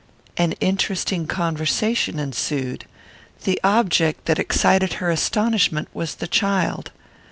An interesting conversation ensued. The object that excited her astonishment was the child.